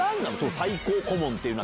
最高顧問っていうのは。